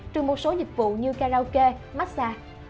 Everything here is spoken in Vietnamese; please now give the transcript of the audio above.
trừ một số dịch vụ như karaoke massage